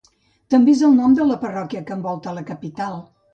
També és el nom de la parròquia que envolta la capital.